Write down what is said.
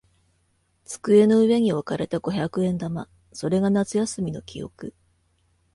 机の上に置かれた五百円玉。それが夏休みの記憶。